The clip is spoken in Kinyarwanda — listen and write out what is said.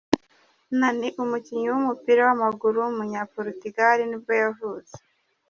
Nani, umukinnyi w’umupira w’amaguru w’umunyaportugal nibwo ayvutse.